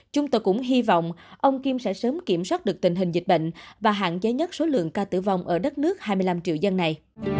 chúng tôi cũng hy vọng ông kim sẽ sớm kiểm soát được tình hình dịch bệnh và hạn chế nhất số lượng ca tử vong ở đất nước hai mươi năm triệu dân này